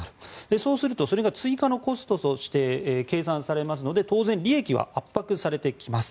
そうするとそれが追加のコストとして計算されますので当然、利益は圧迫されてきます。